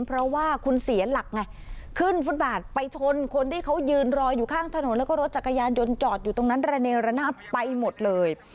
เพราะว่าคุณเสียหลักไงขึ้นฟุตบาทไปชนคนที่เขายืนรออยู่ข้างถนนแล้วก็รถจักรยานยนต์จอดอยู่ตรงนั้นระเนระนาบไปหมดเลย